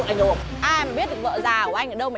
không phải là nhanh không